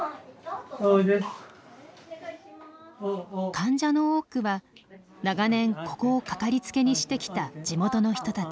患者の多くは長年ここをかかりつけにしてきた地元の人たち。